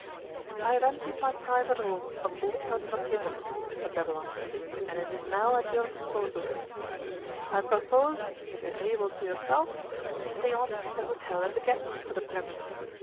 'I have emptied my private room of all personal papers,' said Babylon, 'and it is now at your disposal. I purpose, if agreeable to yourself, to stay on in the hotel as a guest for the present.